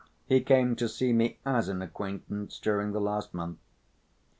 He came to see me as an acquaintance during the last month."